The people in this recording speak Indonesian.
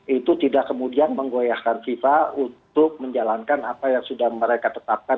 itu tidak kemudian menggoyahkan fifa untuk menjalankan apa yang sudah mereka tetapkan